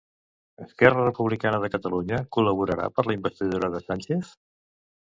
Esquerra Republicana de Catalunya col·laborarà per la investidura de Sánchez?